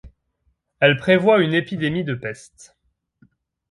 Elle prévoit une épidémie de peste.